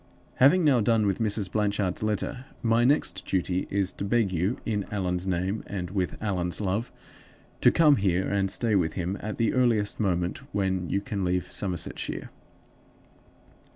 "Having now done with Mrs. Blanchard's letter, my next duty is to beg you, in Allan's name and with Allan's love, to come here and stay with him at the earliest moment when you can leave Somersetshire.